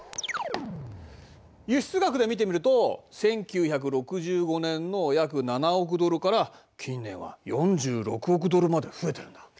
輸出額で見てみると１９６５年の約７億ドルから近年は４６億ドルまで増えてるんだ。